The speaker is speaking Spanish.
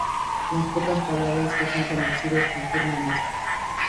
Las pocas palabras que son conocidos confirman esto.